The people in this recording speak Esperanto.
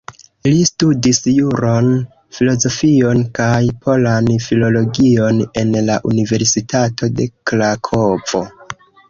Li studis juron, filozofion kaj polan filologion en la universitato de Krakovo.